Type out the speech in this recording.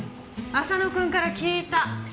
浅野君から聞いた。